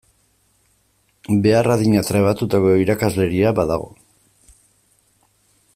Behar adina trebatutako irakasleria badago.